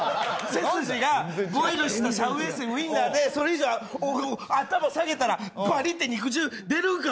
背筋がボイルしたシャウエッセン、ウインナーで、それ以上、頭下げたらパリって肉汁出るんか！